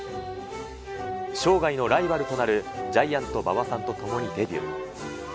生涯のライバルとなるジャイアント馬場さんと共にデビュー。